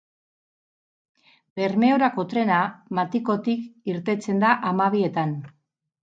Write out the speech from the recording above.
Bermeorako trena Matikotik irtetzen da hamabietan.